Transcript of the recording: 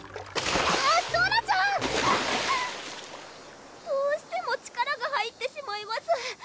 ソラちゃん！どうしても力が入ってしまいます！